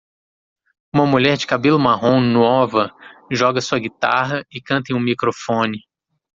Uma mulher de cabelo marrom nova joga sua guitarra e canta em um microfone.